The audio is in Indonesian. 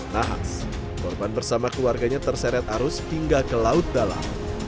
nahas korban bersama keluarganya terseret arus hingga ke laut dalam